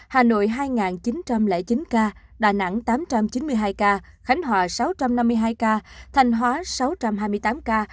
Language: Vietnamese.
hà nội hai chín trăm linh chín ca đà nẵng tám trăm chín mươi hai ca khánh hòa sáu trăm năm mươi hai ca thanh hóa sáu trăm hai mươi tám ca